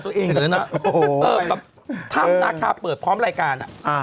อันนี้จะปิดรายการ